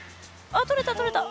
あとれたとれた。